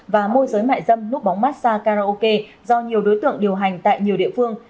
và môi giới mại dâm núp bóng massage karaoke do nhiều đối tượng điều hành tại nhiều địa phương